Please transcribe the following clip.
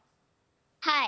はい。